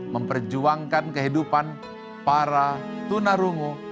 memperjuangkan kehidupan para tunarungu